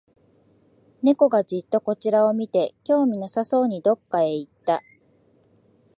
猫がじっとこちらを見て、興味なさそうにどこかへ行った